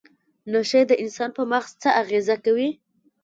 نشې د انسان په مغز څه اغیزه کوي؟